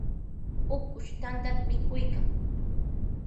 Ukush tantata mikuykan.